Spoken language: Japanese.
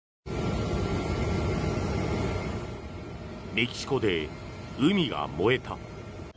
メキシコで海が燃えた。